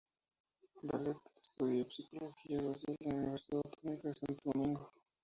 Valette estudió Psicología social en la Universidad Autónoma de Santo Domingo.